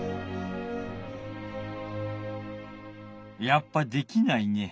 やっぱできないね。